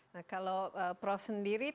nah kalau prof sendiri